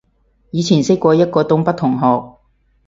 以前識過一個東北同學